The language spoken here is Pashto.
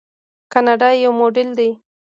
کاناډا یو موډل دی.